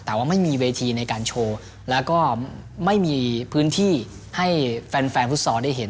แต่ว่าไม่มีเวทีในการโชว์แล้วก็ไม่มีพื้นที่ให้แฟนแฟนฟุตซอลได้เห็น